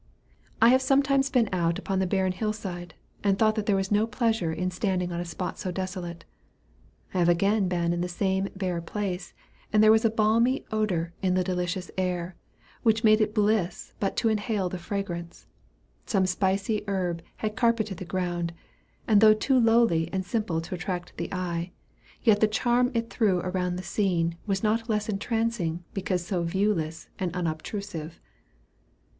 I have sometimes been out upon the barren hill side, and thought that there was no pleasure in standing on a spot so desolate. I have been again in the same bare place, and there was a balmy odor in the delicious air, which made it bliss but to inhale the fragrance. Some spicy herb had carpeted the ground, and though too lowly and simple to attract the eye, yet the charm it threw around the scene was not less entrancing because so viewless and unobtrusive.